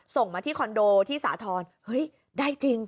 ส่งมาที่คอนโดที่สาธรณ์เฮ้ยได้จริง